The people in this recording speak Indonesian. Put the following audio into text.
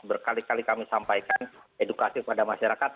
berkali kali kami sampaikan edukasi kepada masyarakat